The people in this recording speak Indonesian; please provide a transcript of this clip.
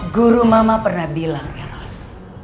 guru mama pernah bilang eros